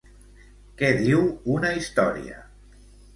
Què diu una història?